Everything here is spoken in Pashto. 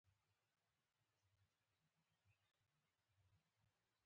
اوزاري بعدونه یې برسېرن درک کړي دي.